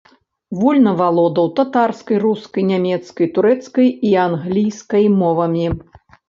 Вольна валодаў татарскай, рускай, нямецкай, турэцкай і англійскай мовамі.